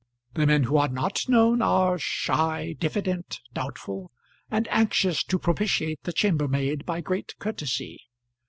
The men who are not known are shy, diffident, doubtful, and anxious to propitiate the chambermaid by great courtesy.